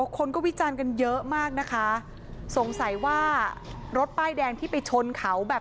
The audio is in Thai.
คนก็วิจารณ์กันเยอะมากนะคะสงสัยว่ารถป้ายแดงที่ไปชนเขาแบบ